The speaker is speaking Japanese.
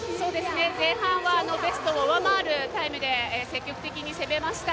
前半はベストを上回るタイムで積極的に攻めました。